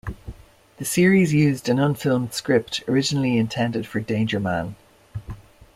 The series used an unfilmed script originally intended for "Danger Man".